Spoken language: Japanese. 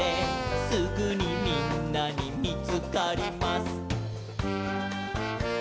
「すぐにみんなにみつかります」